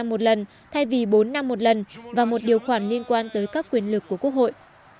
một lần thay vì bốn năm một lần và một điều khoản liên quan tới các quyền lực của quốc hội